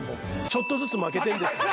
ちょっとずつ負けとるんですよ。